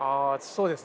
そうです。